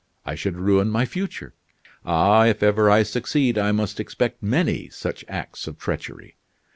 I should ruin my future. Ah, if ever I succeed, I must expect many such acts of treachery.